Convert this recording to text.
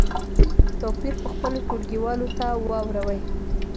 توپیر په خپلو ټولګیوالو ته واوروئ.